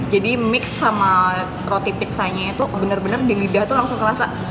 jadi mix sama roti pizzanya itu benar benar di lidah tuh langsung kerasa